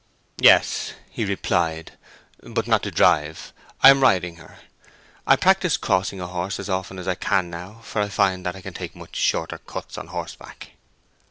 "Yes," he replied, "but not to drive. I am riding her. I practise crossing a horse as often as I can now, for I find that I can take much shorter cuts on horseback."